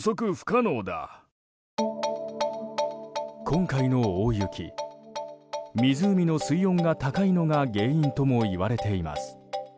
今回の大雪湖の水温が高いのが原因ともいわれています。